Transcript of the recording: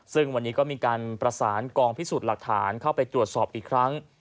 ซึ่งวันนี้ก็มีการประสานกองพิสูจน์หลักฐานเข้าไปตรวจสอบอีกครั้ง